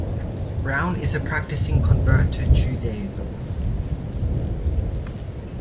Brown is a practicing convert to Judaism.